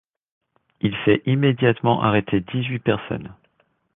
Il fait immédiatement arrêter dix-huit personnes.